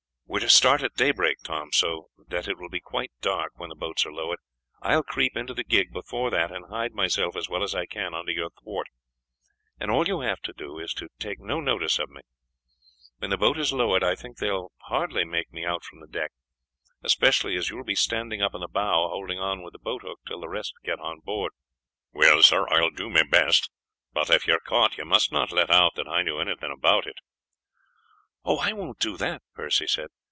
"We are to start at daybreak, Tom, so that it will be quite dark when the boats are lowered. I will creep into the gig before that and hide myself as well as I can under your thwart, and all you have got to do is to take no notice of me. When the boat is lowered I think they will hardly make me out from the deck, especially as you will be standing up in the bow holding on with the boat hook till the rest get on board." "Well, sir, I will do my best; but if you are caught you must not let out that I knew anything about it." "I won't do that," Percy said.